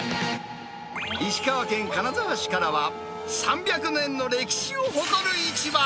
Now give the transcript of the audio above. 石川県金沢市からは、３００年の歴史を誇る市場。